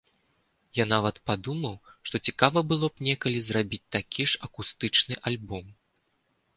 Я нават падумаў, што цікава было б некалі зрабіць такі ж акустычны альбом.